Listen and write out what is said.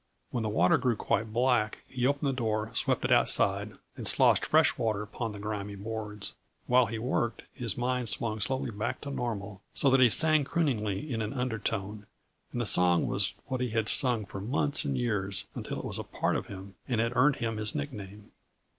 When the water grew quite black, he opened the door, swept it outside and sloshed fresh water upon the grimy boards. While he worked, his mind swung slowly back to normal, so that he sang crooningly in an undertone; and the song was what he had sung for months and years, until it was a part of him and had earned him his nickname.